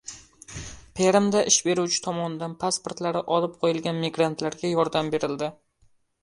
Permda ish beruvchi tomonidan pasportlari olib qo‘yilgan migrantlarga yordam berildi